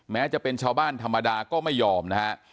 แม้จะเป็นชาวบ้านธรรมดาก็ไม่ยอมนะฮะ